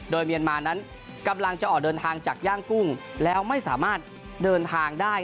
โดยเมียนมานั้นกำลังจะออกเดินทางจากย่างกุ้งแล้วไม่สามารถเดินทางได้